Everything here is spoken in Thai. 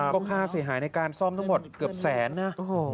ก็ค่าเสียหายในการซ่อมทั้งหมดเกือบแสนนะ